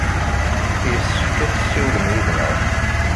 Yessefk ad tessiwlem yid-neɣ.